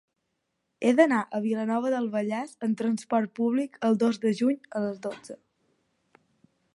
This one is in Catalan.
He d'anar a Vilanova del Vallès amb trasport públic el dos de juny a les dotze.